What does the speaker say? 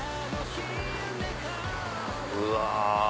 うわ